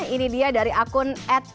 ini dia dari akun